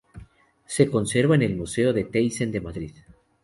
Se conserva en el Museo Thyssen de Madrid.